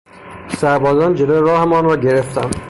سربازان جلو راهمان را گرفتند.